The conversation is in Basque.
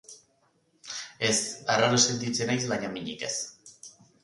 Ez, arraro sentitzen naiz, baina minik ez.